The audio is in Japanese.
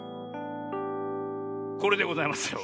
これでございますよ。